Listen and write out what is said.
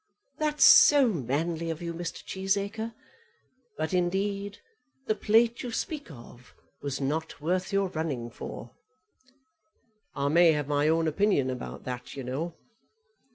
"That's so manly of you, Mr. Cheesacre! But, indeed, the plate you speak of was not worth your running for." "I may have my own opinion about that, you know."